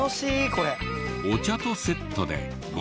これ。